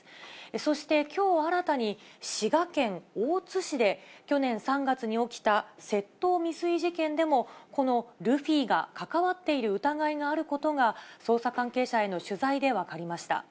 そしてきょう新たに、滋賀県大津市で、去年３月に起きた窃盗未遂事件でも、このルフィが関わっている疑いがあることが、捜査関係者への取材で分かりました。